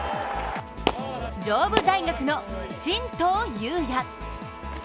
上武大学の進藤勇也。